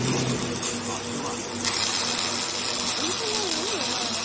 果ては。